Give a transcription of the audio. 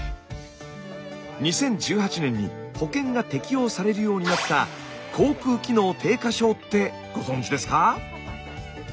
２０１８年に保険が適用されるようになったってご存じですか？